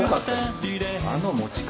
あの持ち方。